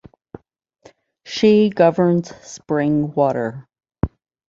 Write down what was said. She governs spring water.